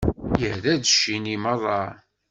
Irra-d cci-nni meṛṛa.